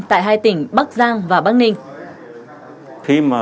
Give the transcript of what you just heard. tại hai tỉnh bắc giang và bắc ninh